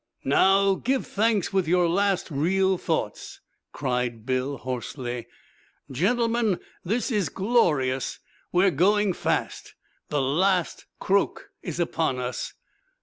"Now, give thanks with your last real thoughts," cried Bill, hoarsely. "Gentlemen this is glorious! We're going fast! The last croak is upon us!